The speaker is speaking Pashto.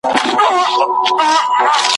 اورېدلي مي دي چي انسان `